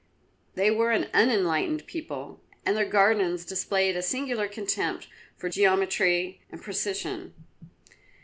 They were an unenlightened people, and their gardens displayed a singular contempt for geometry and precision.